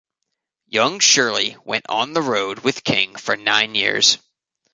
Young Shirley went on the road with King for nine years.